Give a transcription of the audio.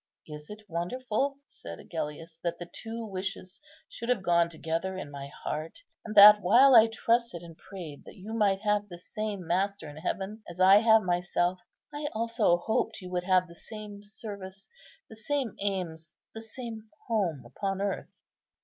"Is it wonderful," said Agellius, "that the two wishes should have gone together in my heart; and that while I trusted and prayed that you might have the same Master in heaven as I have myself, I also hoped you would have the same service, the same aims, the same home upon earth?"